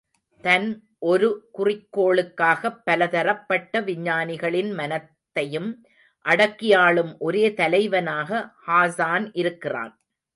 தன் ஒரு குறிக்கோளுக்காகப் பலதரப்பட்ட விஞ்ஞானிகளின் மனத்தையும் அடக்கியாளும் ஒரே தலைவனாக ஹாஸான் இருக்கிறான்.